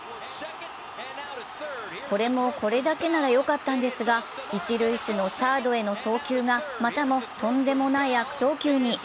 これもこれだけならよかったんですが、一塁手のサードへの送球がまたもとんでもない悪送球に。